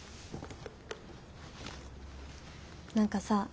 何かさ